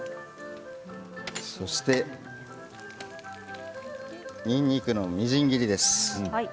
そしてにんにくのみじん切りです。